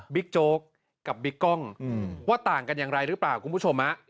โจ๊กกับบิ๊กกล้องว่าต่างกันอย่างไรหรือเปล่าคุณผู้ชม